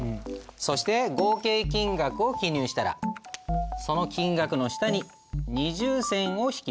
そして合計金額を記入したらその金額の下に二重線を引きます。